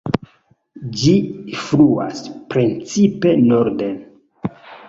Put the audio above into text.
Ĝi fluas precipe norden.